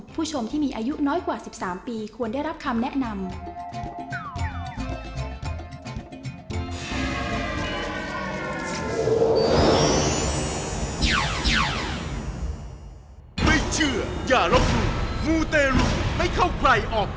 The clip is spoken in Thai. ผู้ชมที่มีอายุน้อยกว่า๑๓ปีควรได้รับคำแนะนำ